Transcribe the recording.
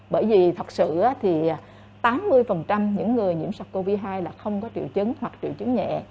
bởi vì thật sự thì tám mươi những người nhiễm sắc covid hai là không có triệu chứng hoặc triệu chứng nhẹ